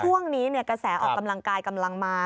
ช่วงนี้กระแสออกกำลังกายกำลังมา